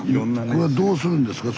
これどうするんですか？